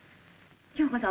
京子さん